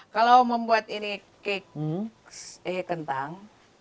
kalau membuat ini keks kentang